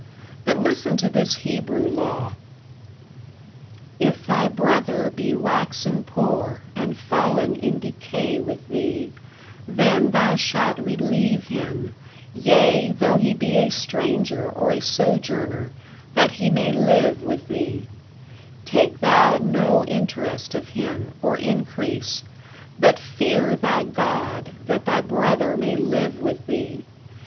But listen to this Hebrew law: If thy brother be waxen poor, and fallen in decay with thee, then thou shalt relieve him, yea, though he be a stranger or a sojourner, that he may live with thee: Take thou no interest of him, or increase; but fear thy God that thy brother may live with thee.